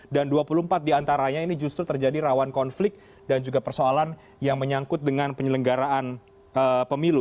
dan dua puluh empat diantaranya ini justru terjadi rawan konflik dan juga persoalan yang menyangkut dengan penyelenggaraan pemilu